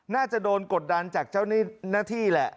น่าจะโดนกดดันจากเจ้าหน้าที่แหละ